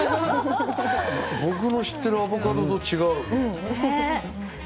僕の知っているアボカドと違う。